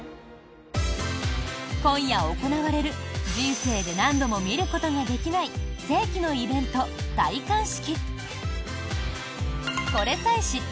今夜行われる人生で何度も見ることができない世紀のイベント、戴冠式。